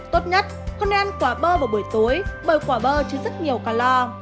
tốt nhất không nên ăn quả bơ vào buổi tối bởi quả bơ chứa rất nhiều calo